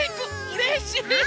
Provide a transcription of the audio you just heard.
うれしい！